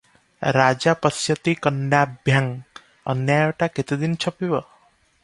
"ରାଜା ପଶ୍ୟତି କର୍ଣ୍ଣାଭ୍ୟାଂ ।" ଅନ୍ୟାୟଟା କେତେଦିନ ଛପିବ ।